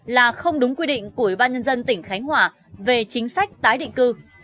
là không đúng quy định của ủy ban nhân dân tỉnh khánh hòa về chính sách tái định cư